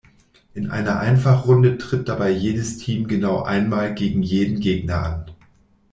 In einer Einfachrunde tritt dabei jedes Team genau einmal gegen jeden Gegner an.